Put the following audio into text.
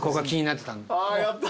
やった。